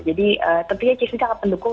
jadi tentunya cisdi sangat pendukung